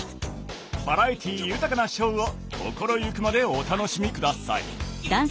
バラエティー豊かなショーを心ゆくまでお楽しみ下さい。